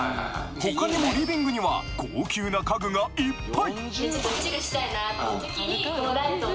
他にもリビングには高級な家具がいっぱい！